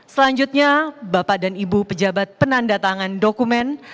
selanjutnya bapak dan ibu pejabat penandatangan dokumen